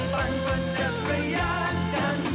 ปันปันจะกระยานกัน